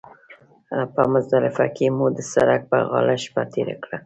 په مزدلفه کې مو د سړک پر غاړه شپه تېره کړه.